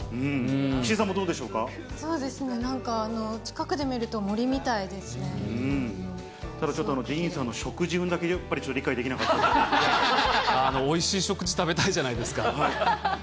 なんか近くで見ただちょっと、ディーンさんの食事運だけ、やっぱりちょっと理解できなかっおいしい食事、食べたいじゃないですか。